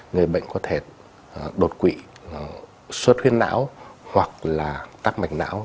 người bệnh có thể đột quỵ suất huyết não hoặc là tắc mạch não